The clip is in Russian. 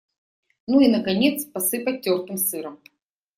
Ну и, наконец, посыпать тёртым сыром.